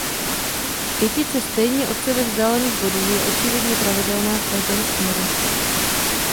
Pětice stejně od sebe vzdálených bodů je očividně pravidelná v každém směru.